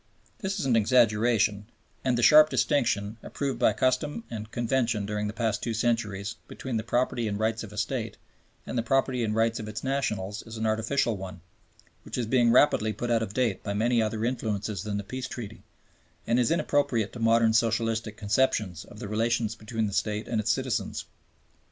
This is an exaggeration, and the sharp distinction, approved by custom and convention during the past two centuries, between the property and rights of a State and the property and rights of its nationals is an artificial one, which is being rapidly put out of date by many other influences than the Peace Treaty, and is inappropriate to modern socialistic conceptions of the relations between the State and its citizens.